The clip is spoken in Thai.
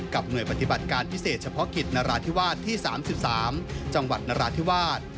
หน่วยปฏิบัติการพิเศษเฉพาะกิจนราธิวาสที่๓๓จังหวัดนราธิวาส